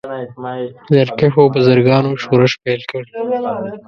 زیارکښو بزګرانو شورش پیل کړ.